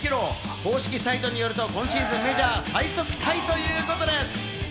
公式サイトによると、今シーズン、メジャー最速タイということです。